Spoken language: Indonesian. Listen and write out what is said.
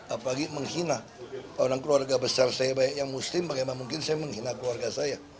apalagi menghina orang keluarga besar saya yang muslim bagaimana mungkin saya menghina keluarga saya